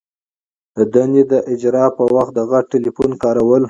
د دندي د اجرا په وخت کي د غټ ټلیفون کارول.